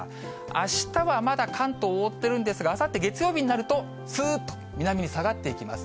あしたはまだ関東を覆ってるんですが、あさって月曜日になると、すーっと南に下がっていきます。